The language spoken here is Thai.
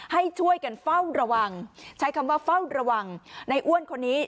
ให้ช่วยกันเฝ้าระวังใช้คำว่าเฝ้าระวังในอ้วนคนนี้